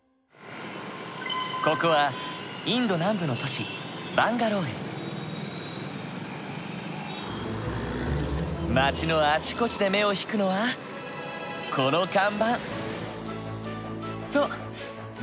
ここはインド南部の都市街のあちこちで目を引くのはこの看板。